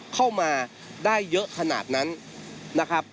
เข้ามาได้เยอะขนาดนั้นนะครับ